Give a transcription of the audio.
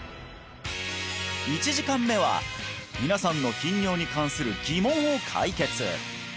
１時間目は皆さんの頻尿に関する疑問を解決